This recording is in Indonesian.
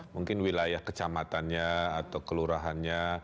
mungkin wilayah kecamatannya atau kelurahannya